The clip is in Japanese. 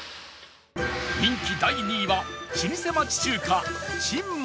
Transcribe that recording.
人気第２位は老舗町中華珍満